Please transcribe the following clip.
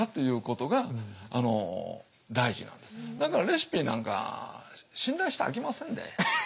だからレシピなんか信頼したらあきませんで。